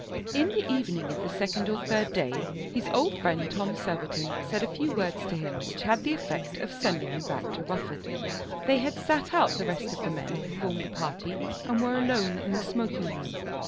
In the evening of the second or third day his old friend Tom Surbiton said a few words to him which had the effect of sending him back to Rufford. They had sat out the rest of the men who formed the party and were alone in the smoking room.